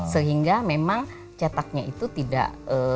sehingga memang cetaknya itu tidak